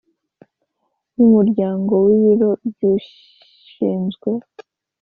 yumuryango wibiro byushinzwe